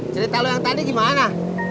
cerita lo yang tadi gimana